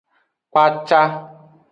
Kpaca.